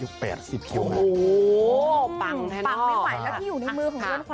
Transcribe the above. โอ้ปังไม่ไหวแล้วที่อยู่ในมือของเวียนขวานนี้อะไรคะ